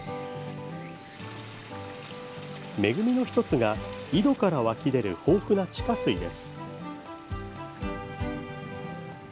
恵みの１つが、井戸から湧き出る豊富な地下水です。